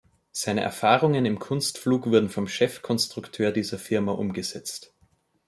Seine Erfahrungen im Kunstflug wurden vom Chefkonstrukteur dieser Firma umgesetzt.